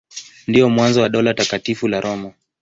Ndio mwanzo wa Dola Takatifu la Roma.